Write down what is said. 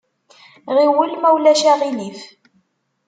Ɣiwel ma ulac aɣilif!